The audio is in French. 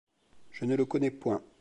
Je ne le connais point.